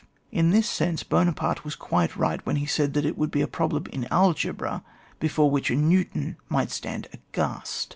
In this sense Buonaparte was quite right when he said that it would be a problem in algebra before which a New ton might stand aghast.